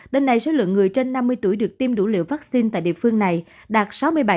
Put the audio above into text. đến nay số lượng người trên năm mươi tuổi được tiêm đủ liều vaccine tại địa phương này đạt sáu mươi bảy